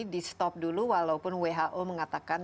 di stop dulu walaupun who mengatakan